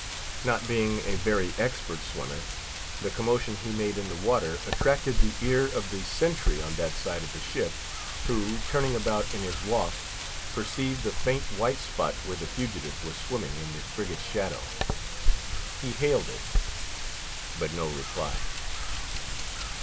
Not being a very expert swimmer, the commotion he made in the water attracted the ear of the sentry on that side of the ship, who, turning about in his walk, perceived the faint white spot where the fugitive was swimming in the frigate's shadow. He hailed it; but no reply.